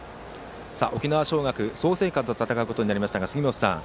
沖縄尚学創成館と戦うことになりましたが杉本さん